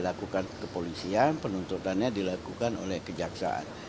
dilakukan kepolisian penuntutannya dilakukan oleh kejaksaan